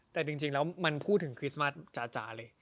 แต่จริงแล้วมันพูดถึงคริสต์มัสจาเลย